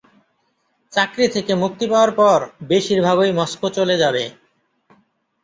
চাকরি থেকে মুক্তি পাওয়ার পর, বেশিরভাগই মস্কো চলে যাবে।